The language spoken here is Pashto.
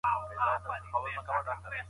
غیږ نیونه په جامو کي نه کېږي.